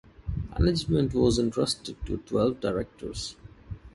Management was entrusted to twelve directors.